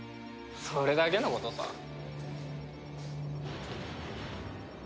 それだけのことさ。